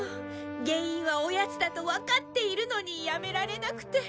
原因はおやつだとわかっているのにやめられなくて。